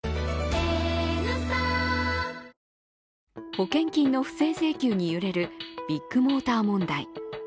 保険金の不正請求に揺れるビッグモーター問題。